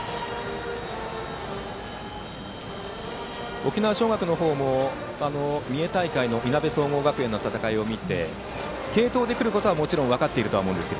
沖縄尚学の方も三重大会のいなべ総合学園の戦いを見て継投でくることは分かっていると思います。